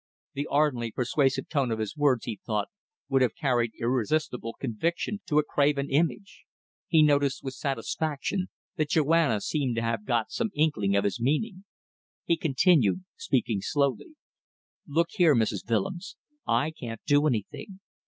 The ardently persuasive tone of his words he thought would have carried irresistible conviction to a graven image. He noticed with satisfaction that Joanna seemed to have got some inkling of his meaning. He continued, speaking slowly "Look here, Mrs. Willems. I can't do anything.